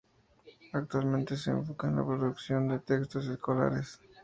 Actualmente se enfoca en la producción de textos escolares.